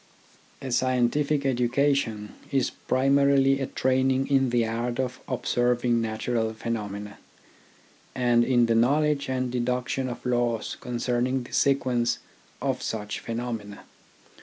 A scientific education is primarily a training in the art of observing natural phenomena, and in the knowledge and deduction of laws con cerning the sequence of such phenomena.